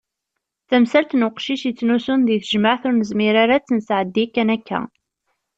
Tamsalt n uqcic yettnusun deg tejmaɛt ur nezmir ara ad tt-nesɛeddi kan akka.